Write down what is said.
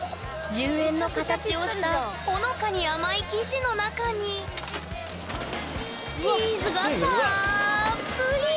１０円の形をしたほのかに甘い生地の中にチーズがたっぷり！